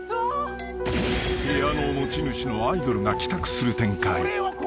［部屋の持ち主のアイドルが帰宅する展開］